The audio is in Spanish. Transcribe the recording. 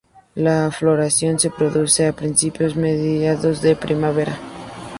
La floración se produce a principios-mediados de primavera.